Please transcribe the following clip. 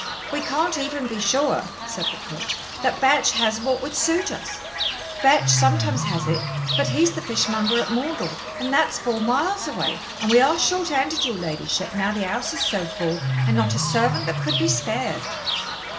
"We can't even be sure," said the cook, "that Batch has what would suit us. Batch sometimes has it, but he is the fishmonger at Maundell, and that is four miles away, and we are short 'anded, your ladyship, now the 'ouse is so full, and not a servant that could be spared."